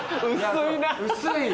薄いな。